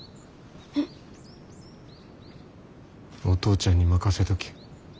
お父ちゃんに任せとき。